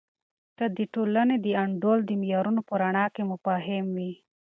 که د ټولنې د انډول د معیارونو په رڼا کې مفاهیم وي.